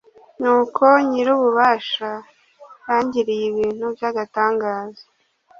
nuko nyir'ububasha yangiriye ibintu by'agatangaza